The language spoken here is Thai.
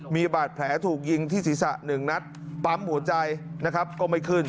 มีบาดแผลถูกยิงที่ศีรษะ๑นัดปั๊มหัวใจนะครับก็ไม่ขึ้น